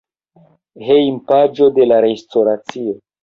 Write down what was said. Hejmpaĝo de la restoracio.